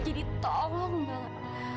jadi tolong banget